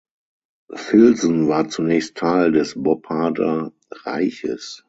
Filsen war zunächst Teil des Bopparder Reiches.